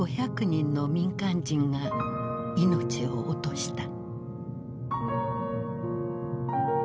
３，５００人の民間人が命を落とした。